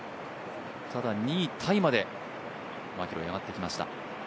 ただ２位タイまでマキロイ、上がってきました。